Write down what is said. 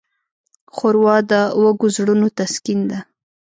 ښوروا د وږو زړونو تسکین ده.